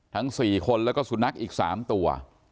ทั้ง๔คนแล้วก็สุนัขอีก๓ตัว